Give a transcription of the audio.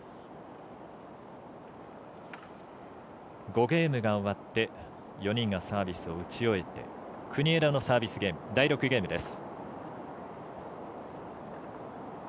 ５ゲームが終わって４人がサービスを打ち終えて国枝のサービスゲーム第６ゲームです。